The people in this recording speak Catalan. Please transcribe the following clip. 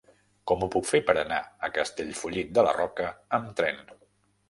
Com ho puc fer per anar a Castellfollit de la Roca amb tren?